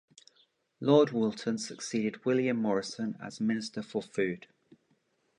Lord Woolton succeeded William Morrison as Minister for Food.